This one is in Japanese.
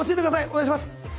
お願いします